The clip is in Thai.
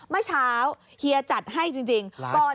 เมื่อเช้าเฮียจัดให้จริง